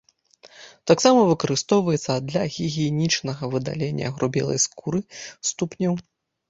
Таксама выкарыстоўваецца для гігіенічнага выдалення агрубелай скуры ступняў.